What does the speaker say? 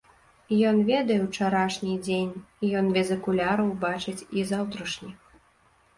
Ён ведае ўчарашні дзень, ён без акуляраў бачыць і заўтрашні.